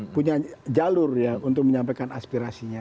punya jalur ya untuk menyampaikan aspirasinya